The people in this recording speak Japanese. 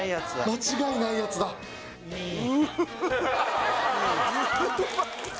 間違いないやつだうわ！